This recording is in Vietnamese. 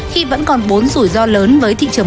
khi vẫn còn bốn rủi ro lớn với thị trường